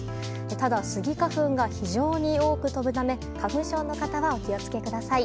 ただ、スギ花粉が非常に多く飛ぶため花粉症の方はお気をつけください。